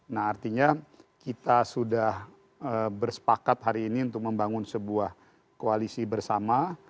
nah artinya kita sudah bersepakat hari ini untuk membangun sebuah koalisi bersama